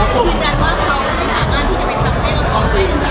เพราะว่าคืออย่างนั้นว่าเค้าถามมาที่จะไปทำให้กับเค้า